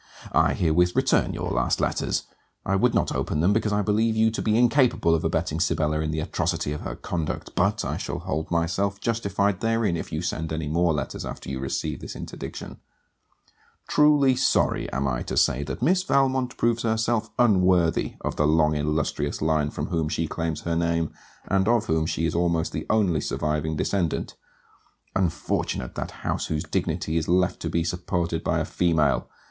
I herewith return your last letters. I would not open them, because I believe you to be incapable of abetting Sibella in the atrocity of her conduct, but I shall hold myself justified therein if you send any more letters after you receive this interdiction. Truly sorry am I to say that Miss Valmont proves herself unworthy of the long illustrious line from whom she claims her name, and of whom she is almost the only surviving descendant. Unfortunate that house whose dignity is left to be supported by a female!